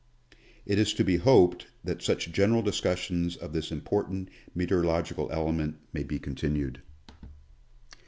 It is to be hoped that such general discussions of this important meteorological element may be continued.